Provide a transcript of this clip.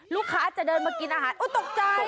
ลูกค้าจะเดินมากินอาหารตกใจ